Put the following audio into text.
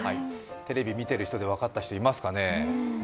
テレビ見てる人で分かった人いますかね？